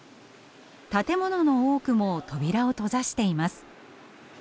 建物の多くも扉を閉ざしています。